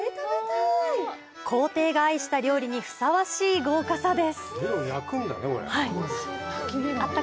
皇帝が愛した料理にふさわしい豪華さです。